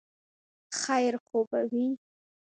خیر خو به وي ؟